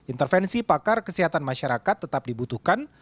intervensi pakar kesehatan masyarakat tetap dibutuhkan